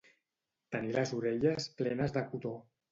Tenir les orelles plenes de cotó.